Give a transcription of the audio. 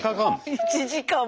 １時間。